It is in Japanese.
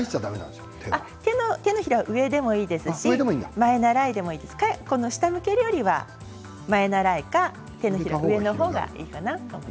手のひらは上でもいいですし前ならえでもいいですし下に向けるよりは前ならえか上の方がいいかな。